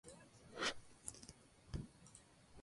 La floración ocurre entre los meses de abril y octubre.